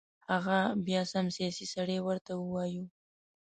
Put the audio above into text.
هغه بیا سم سیاسي سړی ورته ووایو.